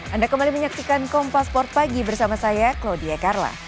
anda kembali menyaksikan kompas sport pagi bersama saya clodia karla